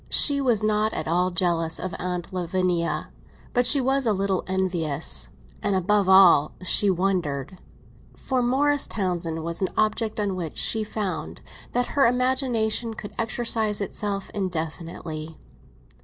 She was not at all jealous of Aunt Lavinia, but she was a little envious, and above all she wondered; for Morris Townsend was an object on which she found that her imagination could exercise itself indefinitely.